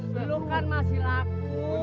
bila kan masih lanjut